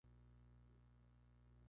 Está enamorada hasta las trancas